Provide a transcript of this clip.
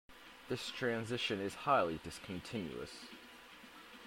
This transition is highly discontinuous.